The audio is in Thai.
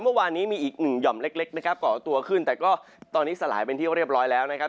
เมื่อวานนี้มีอีกหนึ่งห่อมเล็กเล็กนะครับก่อตัวขึ้นแต่ก็ตอนนี้สลายเป็นที่เรียบร้อยแล้วนะครับ